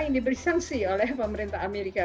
yang diberi sanksi oleh pemerintah amerika